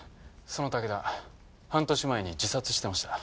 その武田半年前に自殺してました。